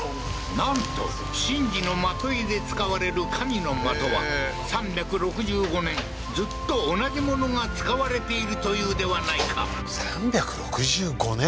なんと神事の的射で使われる神の的は３６５年ずっと同じものが使われているというではないか３６５年？